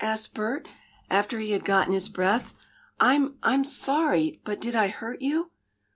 asked Bert, after he had gotten his breath. "I'm I'm sorry but did I hurt you?"